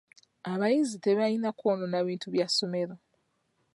Abayizi tebalina kwonoona bintu bya ssomero.